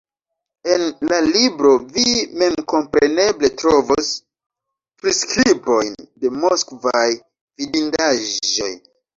En la libro vi memkompreneble trovos priskribojn de moskvaj vidindaĵoj.